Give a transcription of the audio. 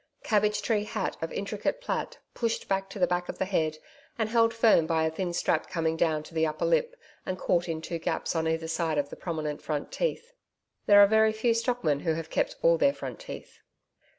Cabbage tree hat of intricate plait pushed back to the back of the head and held firm by a thin strap coming down to the upper lip and caught in two gaps on either side of the prominent front teeth there are very few stockmen who have kept all their front teeth.